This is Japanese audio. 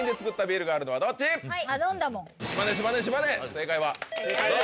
正解は？